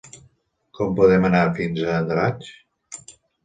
Com podem anar fins a Andratx?